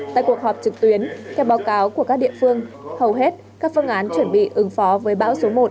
tại cuộc họp trực tuyến theo báo cáo của các địa phương hầu hết các phương án chuẩn bị ứng phó với bão số một